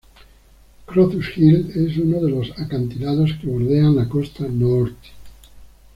Crocus Hill es uno de los acantilados que bordean la costa Norte.